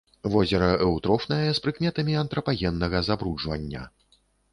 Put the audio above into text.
Возера эўтрофнае з прыкметамі антрапагеннага забруджвання.